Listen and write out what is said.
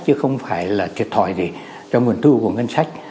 chứ không phải là thiệt thòi gì cho nguồn thu của ngân sách